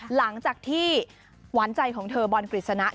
หลังจากที่หวานใจของเธอบอลกฤษณะ